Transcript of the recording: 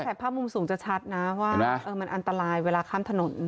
แต่ภาพมุมสูงจะชัดนะว่ามันอันตรายเวลาข้ามถนน